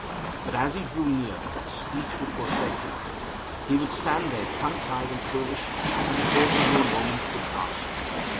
But, as he drew near, speech would forsake him. He would stand there tongue tied and foolish, and the favourable moment would pass.